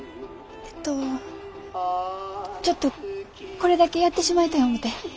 えっとちょっとこれだけやってしまいたい思て。